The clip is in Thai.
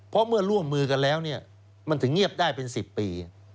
เพราะเมื่อร่วมมือกันแล้วมันถึงเงียบได้เป็น๑๐ปี